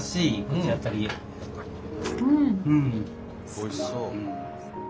おいしそう。